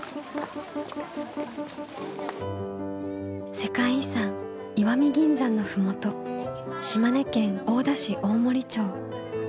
世界遺産石見銀山の麓島根県大田市大森町。